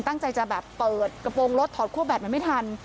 ตั้งใจจะแบบเปิดกระโปรงรถถอดคั่วแบตมันไม่ทัน